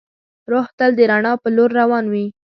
روح تل د رڼا په لور روان وي.